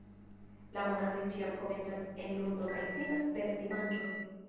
La monatoj ĉiam komencas en lundo kaj finas per dimanĉo.